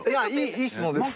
いい質問です。